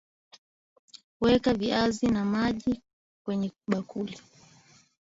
Weka viazi na maji kwenye bakuli